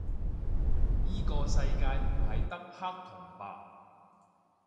依個世界唔係得黑同白